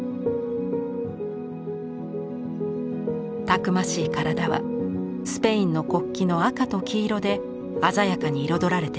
たくましい体はスペインの国旗の赤と黄色で鮮やかに彩られています。